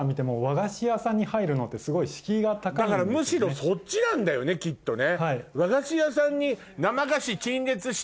だからむしろそっちなんだよねきっとね。